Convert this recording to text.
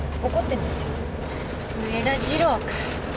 上田次郎か。